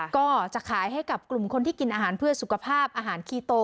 ก็จะขายให้กับกลุ่มคนที่กินอาหารเพื่อสุขภาพอาหารคีโต